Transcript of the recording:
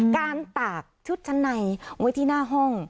การตากชุดชั้นในไว้ที่หน้าห้อง